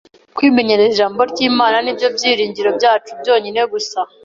Kwimenyereza Ijambo ry’Imana ni byo byiringiro byacu byonyine gusa.